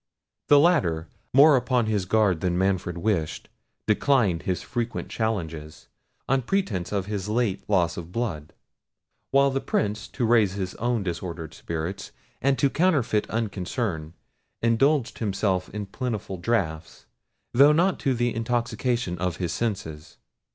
The latter, more upon his guard than Manfred wished, declined his frequent challenges, on pretence of his late loss of blood; while the Prince, to raise his own disordered spirits, and to counterfeit unconcern, indulged himself in plentiful draughts, though not to the intoxication of his senses.